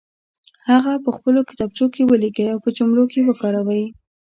هغه په خپلو کتابچو کې ولیکئ او په جملو کې وکاروئ.